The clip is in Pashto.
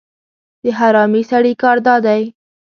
د حرامي سړي کار دا دی